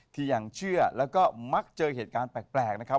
ที่ยังเชื่อแล้วก็มักเจอเหตุการณ์แปลกนะครับ